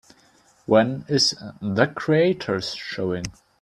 When is The Creators showing